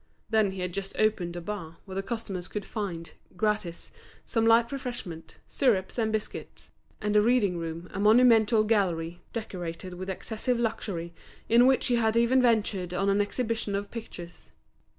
Then he had just opened a bar where the customers could find, gratis, some light refreshment, syrups and biscuits, and a reading room, a monumental gallery, decorated with excessive luxury, in which he had even ventured on an exhibition of pictures.